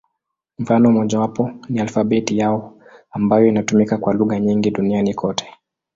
Mfano mmojawapo ni alfabeti yao, ambayo inatumika kwa lugha nyingi duniani kote.